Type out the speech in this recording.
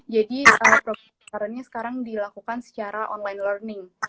jadi program rekaran ini sekarang dilakukan secara online learning